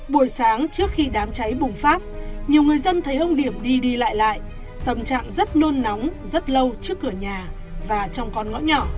buổi sáng trước khi đám cháy bùng phát nhiều người dân thấy ông điểm đi đi lại lại tâm trạng rất nôn nóng rất lâu trước cửa nhà và trong con ngõ nhỏ